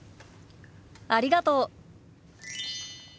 ありがとう。